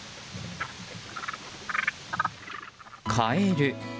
カエル。